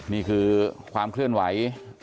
นี่คือความเคลื่อนไหว